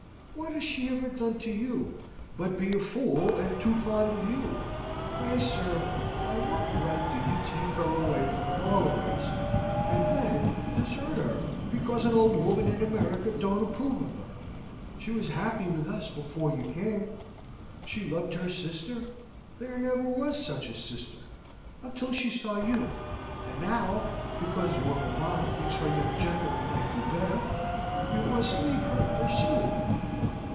What has she ever done to you, but be a fool and too fond of you? Pray, sir, by what right do you take her away from all of us, and then desert her, because an old woman in America don't approve of her? She was happy with us before you came. She loved her sister there never was such a sister until she saw you. And now, because your mamma thinks her young gentleman might do better, you must leave her forsooth!"